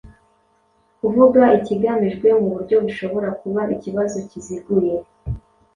Kuvuga ikigamijwe mu buryo bushobora kuba ikibazo kiziguye